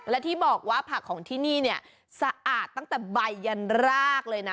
และที่บอกว่าผักของที่นี่เนี่ยสะอาดตั้งแต่ใบยันรากเลยนะ